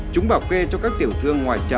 chúng bảo kê cho các tiểu thương ngoài chợ